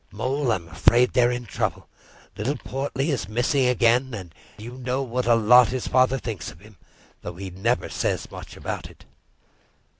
Mole, I'm afraid they're in trouble. Little Portly is missing again; and you know what a lot his father thinks of him, though he never says much about it."